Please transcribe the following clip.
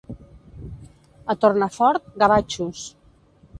A Tornafort, gavatxos.